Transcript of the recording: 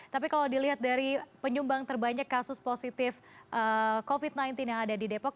tapi kalau dilihat dari penyumbang terbanyak kasus positif covid sembilan belas yang ada di depok